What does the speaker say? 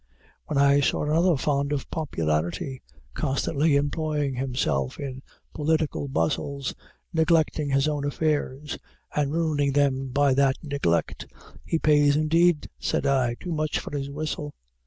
When I saw another fond of popularity, constantly employing himself in political bustles, neglecting his own affairs, and ruining them by that neglect, He pays, indeed, said I, too much for his whistle.